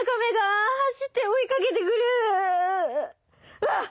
うわっ！